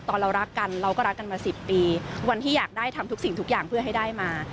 เรารักกันเราก็รักกันมา๑๐ปีวันที่อยากได้ทำทุกสิ่งทุกอย่างเพื่อให้ได้มา